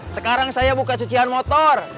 sekarang saya buka cucian motor